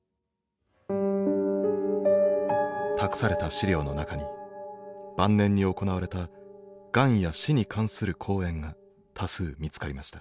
託された資料の中に晩年に行われたがんや死に関する講演が多数見つかりました。